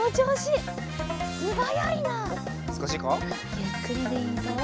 ゆっくりでいいぞ。